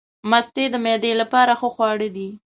مستې د معدې لپاره ښه خواړه دي.